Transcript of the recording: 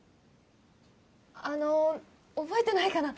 あの覚えてないかな？